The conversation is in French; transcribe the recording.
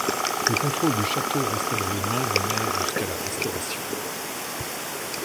Le contrôle du château resta dans les mains du maire jusqu'à la Restauration.